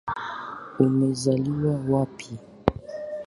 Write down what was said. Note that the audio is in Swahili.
Umezaliwa wapi?